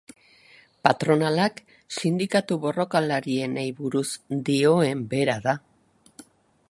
Patronalak sindikatu borrokalarienei buruz dioen bera da.